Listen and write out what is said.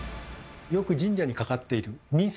よく神社にかかっている御簾。